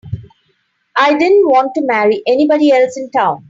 I didn't want to marry anybody else in town.